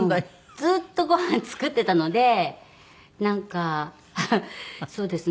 ずっとご飯作ってたのでなんかそうですね。